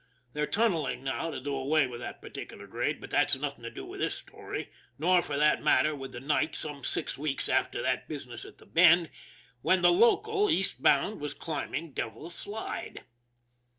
They're tunneling now to do away with that particular grade, but that's nothing to do with this story, nor, for that matter, with the night, some six weeks after that business at the Bend, when the local, eastbound, was climbing the Devil's Slide.